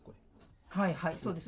はいはいそうです。